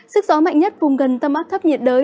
sức gió mạnh nhất vùng gần tâm áp thấp nhiệt đới